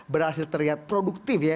berhasil terlihat produktif ya